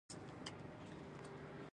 توپک د ببرک وینې څښلي.